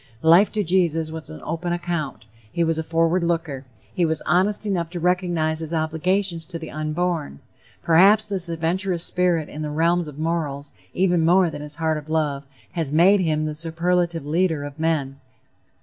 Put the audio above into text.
Life, to Jesus, was an open account; he was a forward looker; he was honest enough to recognize his obligations to the unborn. Perhaps this adventurous spirit in the realms of morals, even more than his heart of love, has made him the superlative leader of men."